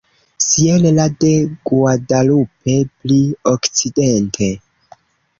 Sierra de Guadalupe: pli okcidente.